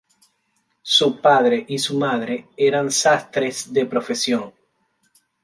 Su padre y su madre eran sastres de profesión.